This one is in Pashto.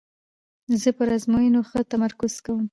زه پر آزموینو ښه تمرکز کوم.